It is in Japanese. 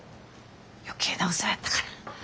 余計なお世話やったかな。